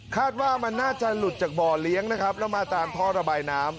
คาดว่ามันน่าจะหลุดจากบ่อเลี้ยงนะครับแล้วมาตามท่อระบายน้ำ